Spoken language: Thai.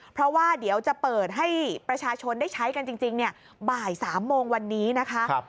เพราะว่าเดี๋ยวจะเปิดให้ประชาชนได้ใช้กันจริงบ่าย๓โมงวันนี้นะคะ